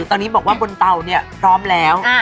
ตอนนี้บอกว่าบนเตาเนี่ยพร้อมแล้ว